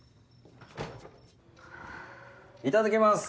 いただきます！